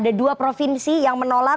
ada dua provinsi yang menolak